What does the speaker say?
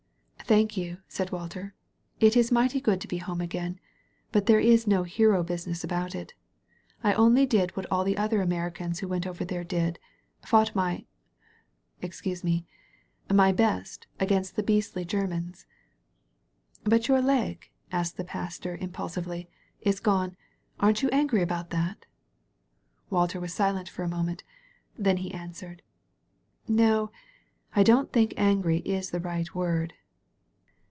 "Thank you," said Walter, "it is mighty good to be home again. But there is no hero business about it. I only did what all the other Americans who went over there did — ^fought my — excuse me, my best, against the beastly Germans." "But your leg," said the Pastor impulsively, "it is gone. Aren't you angry about that?" Walter was silent for a moment. Then he an swered. "No, I don't think angry is the right word.